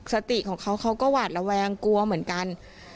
สติของเขาเขาก็หวาดระแวงกลัวเหมือนกัน